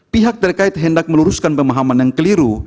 pihak terkait hendak meluruskan pemahaman yang keliru